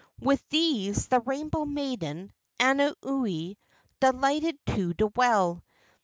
With these the Rainbow Maiden, Anuenue, delighted to dwell.